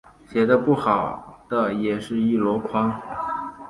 写的不好的也是一箩筐